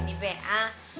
nah itu pak